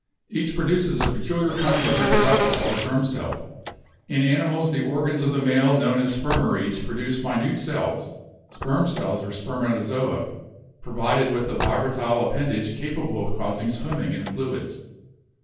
Each produces a peculiar kind of reproductive or germ cell. In animals the organs of the male known as spermaries produce minute cells (sperm cells or spermatozoa), provided with a vibratile appendage capable of causing swimming in fluids.